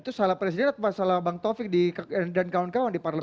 itu salah presiden atau salah bang taufik dan kawan kawan di parlemen